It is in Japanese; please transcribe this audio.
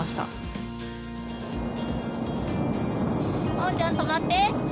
まおちゃん止まって。